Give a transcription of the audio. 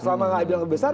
selama aib yang lebih besar